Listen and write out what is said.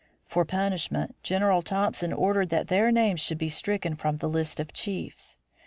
For punishment General Thompson ordered that their names should be stricken from the list of chiefs.